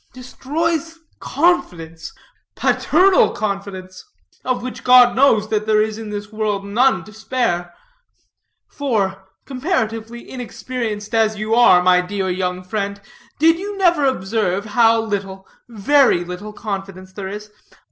Destroys confidence, paternal confidence, of which God knows that there is in this world none to spare. For, comparatively inexperienced as you are, my dear young friend, did you never observe how little, very little, confidence, there is?